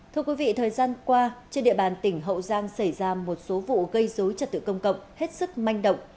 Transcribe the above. thưa quý vị thời gian qua trên địa bàn tỉnh hậu giang xảy ra một số vụ gây dối trật tự công cộng hết sức manh động